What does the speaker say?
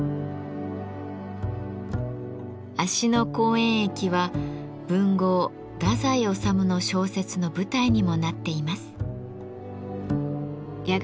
芦野公園駅は文豪・太宰治の小説の舞台にもなっています。